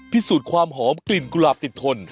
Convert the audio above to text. พิสูจน์ความหอมกลิ่นกุหลาบติดทน